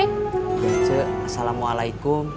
iya cuy assalamualaikum